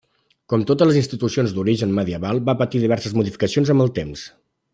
Com totes les institucions d'origen medieval va patir diverses modificacions amb el temps.